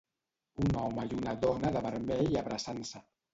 Un home i una dona de vermell abraçant-se.